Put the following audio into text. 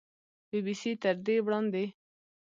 بي بي سي تر دې وړاندې